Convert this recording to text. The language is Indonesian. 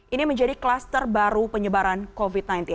ini menjadi kluster baru penyebaran covid sembilan belas